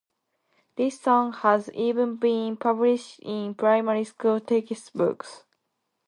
This song has even been published in primary school textbooks.